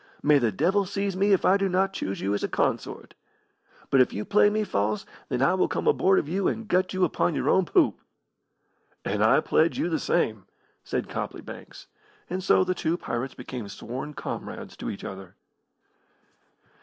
May the devil seize me if I do not choose you as a consort! But if you play me false, then I will come aboard of you and gut you upon your own poop." "And I pledge you the same!" said Copley Banks, and so the two pirates became sworn comrades to each other.